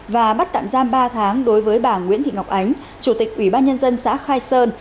và bắt tạm giam ba tháng đối với bà nguyễn thị ngọc ánh chủ tịch ủy ban nhân dân xã khai sơn